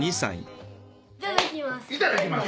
いただきます。